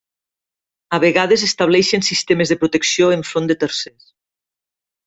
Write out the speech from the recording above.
A vegades estableixen sistemes de protecció enfront de tercers.